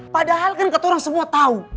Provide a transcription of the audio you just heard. padahal kan ketua orang semua tahu